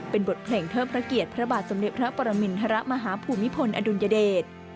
เป็นบทเพลงเทิดพระเกียรติพระบาทสมเด็จพระปรมินทรมาฮภูมิพลอดุลยเดช